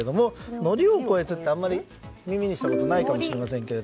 のりを越えずってあまり耳にしたことがないかもしれませんが。